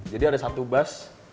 jadi ada satu bus